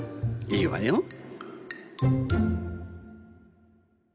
いいわよ。